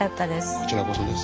こちらこそです。